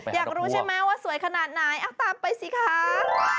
อยากรู้ใช่ไหมว่าสวยขนาดไหนตามไปสิคะ